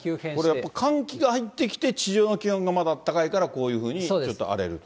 これやっぱり寒気が入ってきて、地上の気温がまだあったかいからちょっと荒れると。